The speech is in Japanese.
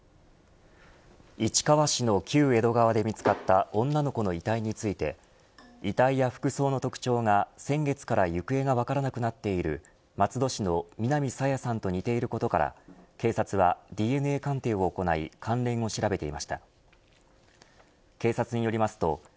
市川市の旧江戸川で見つかった女の子の遺体について遺体や服装の特徴が先月から行方がわからなくなっている松戸市の南朝芽さんと似ていることから警察はＤＮＡ鑑定を行い関連を調べていました。